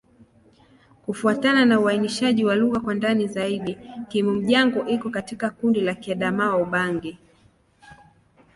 Kufuatana na uainishaji wa lugha kwa ndani zaidi, Kimom-Jango iko katika kundi la Kiadamawa-Ubangi.